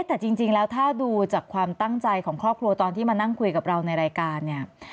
แต่จริงแล้วถ้าดูจากความตั้งใจของครอบครัวตอนที่มานั่งคุยกับเราในรายการเนี่ย